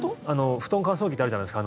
布団乾燥機ってあるじゃないですか